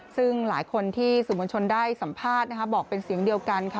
ซึ่งหลายคนที่สื่อมวลชนได้สัมภาษณ์นะคะบอกเป็นเสียงเดียวกันค่ะ